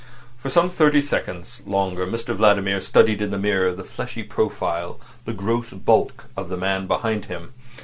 For some thirty seconds longer Mr Vladimir studied in the mirror the fleshy profile, the gross bulk, of the man behind him.